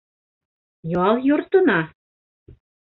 Ял йортона?!